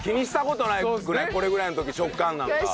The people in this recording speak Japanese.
これぐらいの時食感なんか。